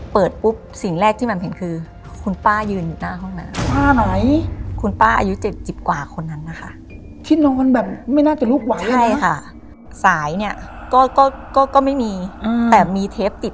เปิดสิ่งแรกที่